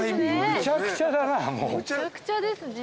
めちゃくちゃですね。